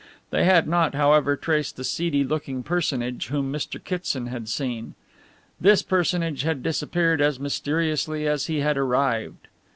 They had not, however, traced the seedy looking personage whom Mr. Kitson had seen. This person had disappeared as mysteriously as he had arrived.